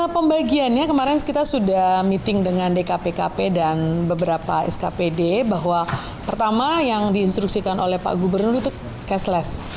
pembagiannya kemarin kita sudah meeting dengan dkpkp dan beberapa skpd bahwa pertama yang diinstruksikan oleh pak gubernur itu cashless